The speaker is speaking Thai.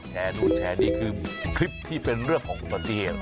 แชร์นู่นแชร์นี่คือมีคลิปที่เป็นเรื่องของหมู่ผัตตะเกียร์